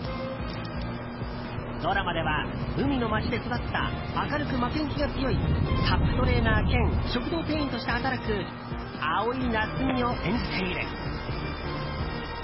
ドラマでは海の街で育った明るく負けん気が強いＳＵＰトレーナー兼食堂店員として働く蒼井夏海を演じている。